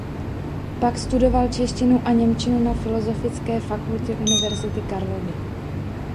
Pak studoval češtinu a němčinu na Filozofické fakultě Univerzity Karlovy.